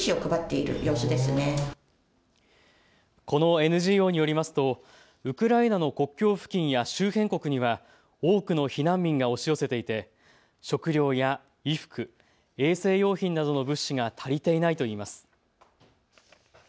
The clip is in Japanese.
このＮＧＯによりますとウクライナの国境付近や周辺国には多くの避難民が押し寄せていて食料や衣服、衛生用品などの物資が足りていないといいます。